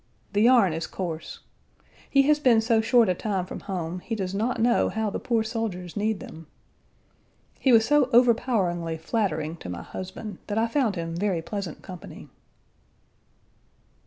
The yarn is coarse. He has been so short a time from home he does not know how the poor soldiers need them. He was so overpoweringly flattering to my husband that I found him very pleasant company.